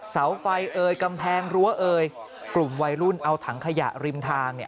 เสาไฟเอ่ยกำแพงรั้วเอยกลุ่มวัยรุ่นเอาถังขยะริมทางเนี่ย